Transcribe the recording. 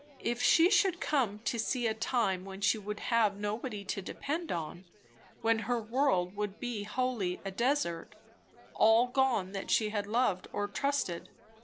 If she should come to see a time when she would have nobody to depend on; when her world would be wholly a desert; all gone that she had loved or trusted.